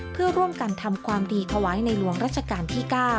เพื่อร่วมกันทำความดีถวายในหลวงรัชกาลที่๙